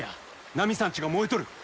ナミさんちが燃えとる。